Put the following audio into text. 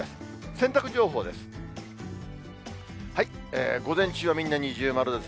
洗濯情報です。